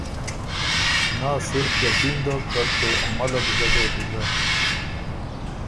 نۀ صرف یقین دوک بلکې عمله بو ګۀ دوک ویزر۔